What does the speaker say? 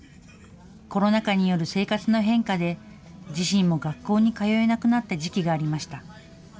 コロナ禍による生活の変化で、自身も学校に通えなくなった時期がありました。